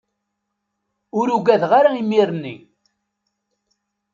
Ur ugadeɣ ara imir-nni.